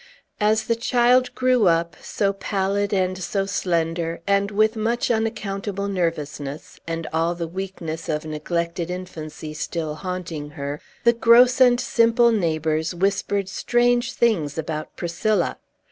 As the child grew up, so pallid and so slender, and with much unaccountable nervousness, and all the weaknesses of neglected infancy still haunting her, the gross and simple neighbors whispered strange things about Priscilla.